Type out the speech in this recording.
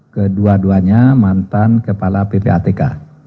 kedua duanya mantan kepala ppatk